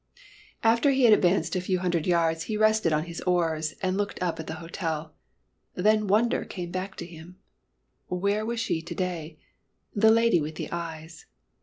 After he had advanced a few hundred yards he rested on his oars, and looked up at the hotel. Then wonder came back to him, where was she to day the lady with the eyes?